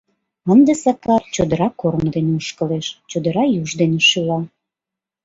Ынде Сакар чодыра корно дене ошкылеш, чодыра юж дене шӱла.